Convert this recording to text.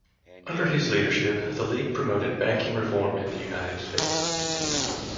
Under his leadership the league promoted banking reform in the United States.